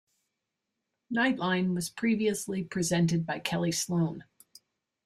"Nightline" was previously presented by Kellie Sloane.